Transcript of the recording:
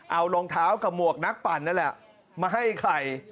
เอารองเท้ากับหมวกนักปั่นนั่นแหละมาให้ไข่